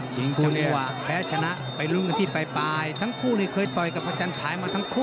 จริงคู่นี้แพ้ชนะไปรุ้นกันที่ไปปลายทั้งคู่เนี่ยเคยต่อยกับพระจันทรายมาทั้งคู่